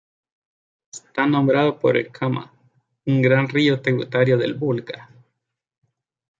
Está nombrado por el Kama, un gran río tributario del Volga.